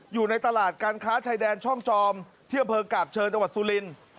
อยู่ในตลาดการค้าชายแดนช่องจอมที่อำเภอกาบเชิงจังหวัดสุรินทร์